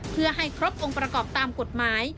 เพื่อให้ครบองค์ประกอบตามกฎหมาย